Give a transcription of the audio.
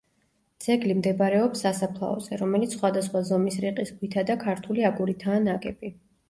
ძეგლი მდებარეობს სასაფლაოზე, რომელიც სხვადასხვა ზომის რიყის ქვითა და ქართული აგურითაა ნაგები.